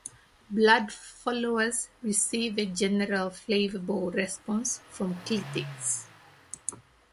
"Bloodflowers" received a generally favourable response from critics.